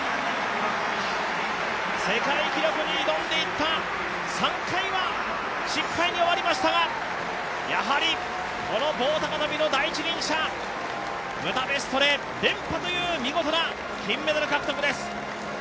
世界記録に挑んでいった３回は失敗に終わりましたがやはりこの棒高跳の第一人者、ブダペストで連覇という見事な金メダル獲得です！